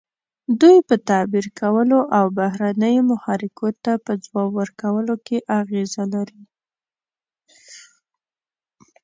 دوی په تعبیر کولو او بهرنیو محرکو ته په ځواب ورکولو کې اغیزه لري.